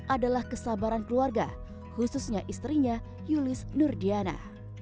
adalah kesabaran keluarga khususnya istrinya yulis nurdiana